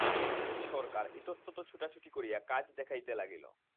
সরকার ইতস্তত দুটাছুটি করিয়া কাজ দেখাইতে লাগিল।